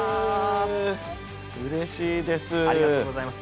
うれしいです。